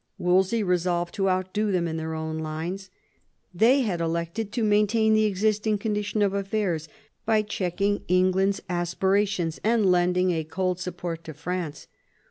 Wolsey resolved to outdo them in their own lines. They had elected to maintain the ex isting condition of affairs by checking England's aspira tions and lending a cold support to France.